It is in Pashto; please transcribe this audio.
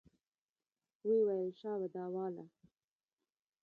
ويې ويل شابه دا واله.